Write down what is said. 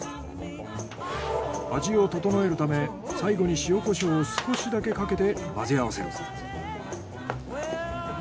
味を調えるため最後に塩・コショウを少しだけかけて混ぜ合わせる。